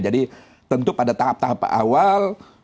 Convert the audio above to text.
jadi tentu pada tahap tahap awal